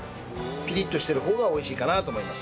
ピリッとしてる方が美味しいかなと思います。